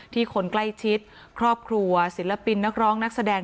คนใกล้ชิดครอบครัวศิลปินนักร้องนักแสดง